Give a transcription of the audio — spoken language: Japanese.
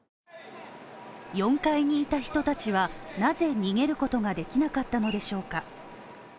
４階にいた人たちは、なぜ逃げることができなかったのでしょうか？